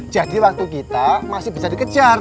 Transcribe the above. waktu kita masih bisa dikejar